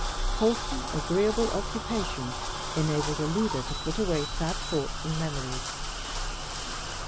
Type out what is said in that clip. Wholesome, agreeable occupation enabled Alida to put away sad thoughts and memories.